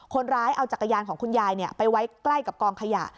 คนร้ายเอาจักรยานของคุณยายไปไว้ใกล้กับกองขยะ